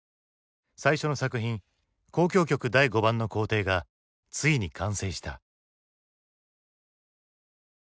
最初の作品「交響曲第５番」の校訂がついに完成した。